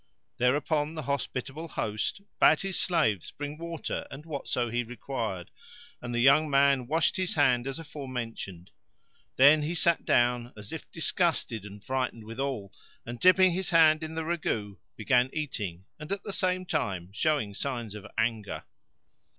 Thereupon the hospitable host bade his slaves bring water and whatso he required; and the young man washed his hand as afore mentioned. Then he sat down, as if disgusted and frightened withal, and dipping his hand in the ragout, began eating and at the same time showing signs of anger.